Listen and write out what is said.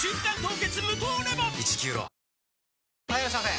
・はいいらっしゃいませ！